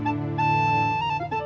tidak ada emak